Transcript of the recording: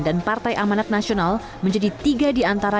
dan partai amanat nasional menjadi tiga di antara